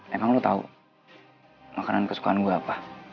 emang lo tau makanan kesukaan gue apa